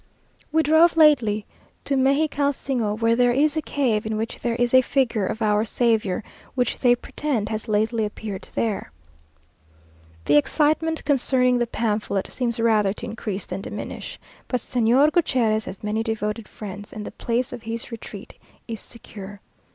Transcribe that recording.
We drove lately to Mexicalsingo, where there is a cave in which there is a figure of our Saviour, which they pretend has lately appeared there. The excitement concerning the pamphlet seems rather to increase than diminish, but Señor Gutierrez has many devoted friends, and the place of his retreat is secure.